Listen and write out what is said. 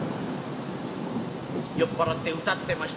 酔っ払って歌ってました。